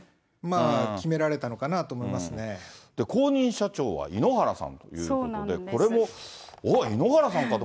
決められたのかなと思います後任社長は井ノ原さんということで、これもおっ？